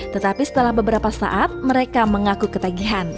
tetapi setelah beberapa saat mereka mengaku ketagihan